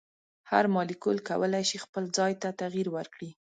هر مالیکول کولی شي خپل ځای ته تغیر ورکړي.